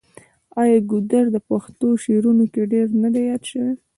آیا ګودر د پښتو شعرونو کې ډیر نه دی یاد شوی؟